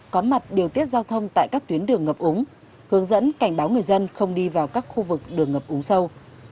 có mặt điều tiết giao thông tại các tuyến đường ngập úng hướng dẫn cảnh báo người dân không đi vào các khu vực đường ngập úng sâu